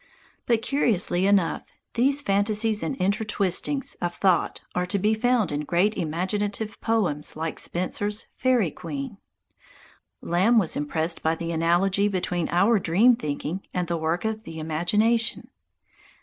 But curiously enough, these fantasies and inter twistings of thought are to be found in great imaginative poems like Spenser's "Færie Queene." Lamb was impressed by the analogy between our dream thinking and the work of the imagination.